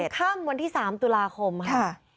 ค่ำวันที่๓ตุลาคมค่ะ